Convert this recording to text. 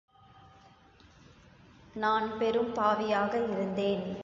நான் பெரும் பாவியாக இருந்தேன்.